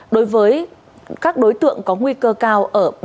đối với các đối tượng có nguy cơ cao